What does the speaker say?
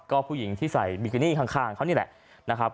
ก็ผู้หญิงที่ใส่บิกินี่ข้างเขานี่แหละนะครับ